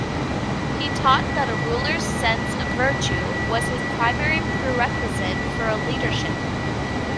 He taught that a ruler's sense of virtue was his primary prerequisite for leadership.